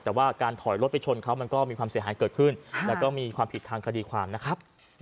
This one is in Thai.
แต่ว่าการถอยรถไปชนเขามันก็มีความเสียหายเกิดขึ้นแล้วก็มีความผิดทางคดีความนะครับ